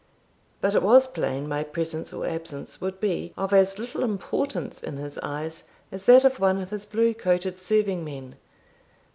But it was plain my presence or absence would be of as little importance in his eyes as that of one of his blue coated serving men.